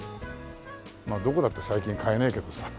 まあどこだって最近買えないけどさ。